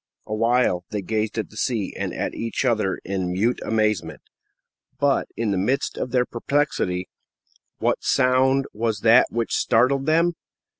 Awhile, they gazed at the sea and at each other in mute amazement. But in the midst of their perplexity, what sound was that which startled them?